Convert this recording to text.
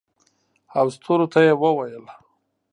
او ستورو ته یې وویل